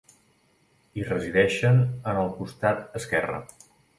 I resideixen en el costat esquerre.